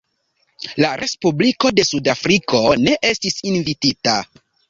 La Respubliko de Sudafriko ne estis invitita.